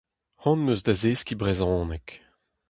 C'hoant am eus da zeskiñ brezhoneg.